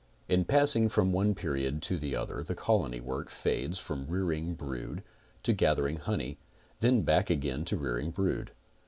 In passing from one period to the other the colony work fades from rearing brood to gathering honey, then back again to rearing brood.